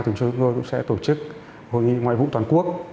thường chúng tôi cũng sẽ tổ chức hội nghị ngoại vụ toàn quốc